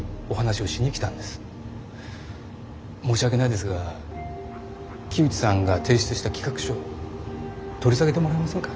申し訳ないですが木内さんが提出した企画書取り下げてもらえませんか？